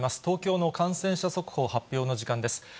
東京の感染者速報、発表の時間です。